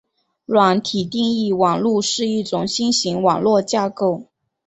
软体定义网路是一种新型网络架构。